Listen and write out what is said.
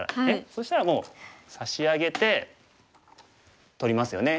そしたらもう差し上げて取りますよね。